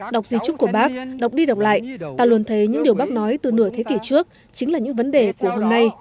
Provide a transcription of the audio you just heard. đọc di trúc của bác đọc đi đọc lại ta luôn thấy những điều bác nói từ nửa thế kỷ trước chính là những vấn đề của hôm nay